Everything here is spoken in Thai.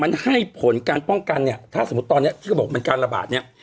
มันให้ผลการป้องกันเนี่ยถ้าสมมุติตอนนี้ที่เขาบอกมันการระบาดเนี่ย